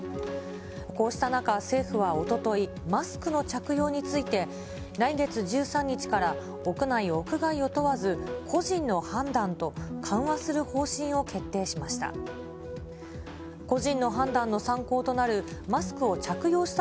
こうした中、政府はおととい、マスクの着用について、来月１３日から屋内・屋外を問わず、個人の判断と、緩和する方針を決定しました。